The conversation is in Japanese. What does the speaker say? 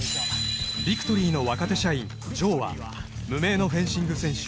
ビクトリーの若手社員・城は無名のフェンシング選手